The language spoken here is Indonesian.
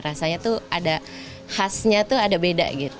rasanya tuh ada khasnya tuh ada beda gitu